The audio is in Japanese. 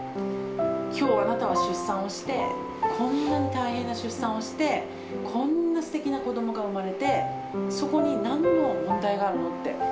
きょうあなたは出産をして、こんなに大変な出産をして、こんなすてきな子どもが産まれて、そこになんの問題があるのって。